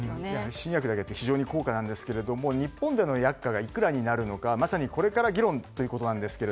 新薬なので非常に高価ですが日本での薬価がいくらになるのかこれから議論ということです。